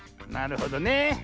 なるほどね。